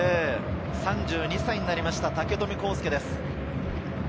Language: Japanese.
３２歳になりました、武富孝介です。